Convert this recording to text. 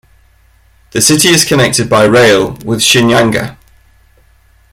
The city is connected by rail with Shinyanga.